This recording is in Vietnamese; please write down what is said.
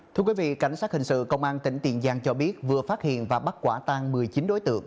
thưa quý vị cảnh sát hình sự công an tỉnh tiền giang cho biết vừa phát hiện và bắt quả tan một mươi chín đối tượng